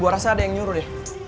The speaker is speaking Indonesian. gue rasa ada yang nyuruh deh